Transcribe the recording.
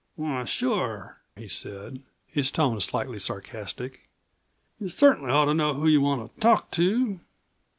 "Why, sure," he said, his tone slightly sarcastic; "you cert'nly ought to know who you want to talk to.